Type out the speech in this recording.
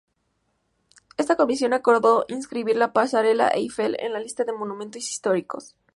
Esta comisión acordó inscribir la pasarela Eiffel en la lista de monumentos históricos.